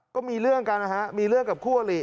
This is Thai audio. ก็มีเรื่องกันนะฮะมีเรื่องกับคู่อลิ